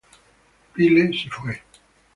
Pyle se fue.